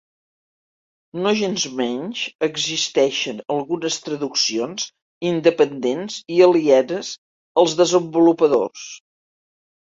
Nogensmenys, existeixen algunes traduccions independents i alienes als desenvolupadors.